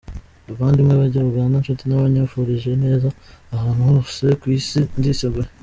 Bavandimwe Banya-Uganda, nshuti n’abanyifurije ineza ahantu hose ku Isi, ndiseguye.